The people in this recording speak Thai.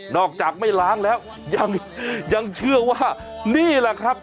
อกจากไม่ล้างแล้วยังเชื่อว่านี่แหละครับ